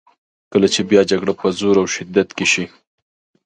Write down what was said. کله چې بیا جګړه په زور او شدت کې شي.